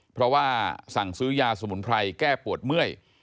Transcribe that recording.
เพราะว่าสั่งซื้อยาสมุนไพรแก้ปวดเมื่อย